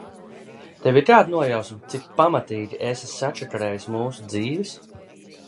Tev ir kāda nojausma, cik pamatīgi esi sačakarējis mūsu dzīves?